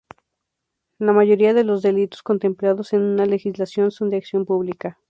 La mayoría de los delitos contemplados en una legislación son de acción pública.